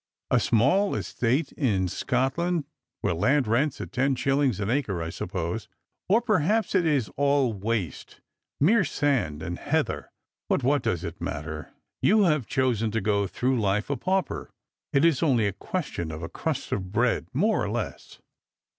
" A small estate in Scotkud, where land rents at ten shillings an acre, I suppose. Or perhaps it is all waste, mere sand and heather. But what does it matter ? You have chosen to go through life a pauper. It is only a question of a crust of bread more or less."